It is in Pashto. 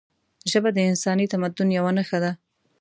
ژبه د انساني تمدن یوه نښه ده